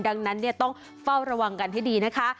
ดังนั้นต้องเฝ้าระวังกันให้ดีนะคะ